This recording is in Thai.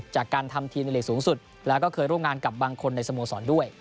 จากการทำทีมในหลีกสูงสุดแล้วก็เคยร่วมงานกับบางคนในสโมสรด้วย